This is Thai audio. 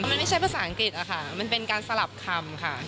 มันไม่ใช่ภาษาอังกฤษค่ะมันเป็นการสลับคำค่ะ